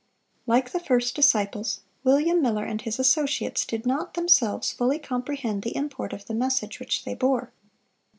Like the first disciples, William Miller and his associates did not, themselves, fully comprehend the import of the message which they bore.